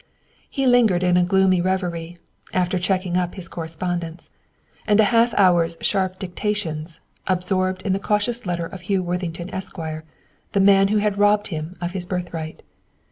He lingered in a gloomy reverie, after checking up his correspondence, and a half hour's sharp dictations, absorbed in the cautious letter of Hugh Worthington, Esq., the man who had robbed him of his birthright.